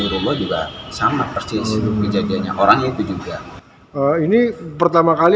di rumah juga sama persis kejadiannya orang itu juga ini pertama kali